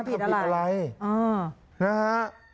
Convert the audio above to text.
คุณกระดูกร่วงไว้ิงไหน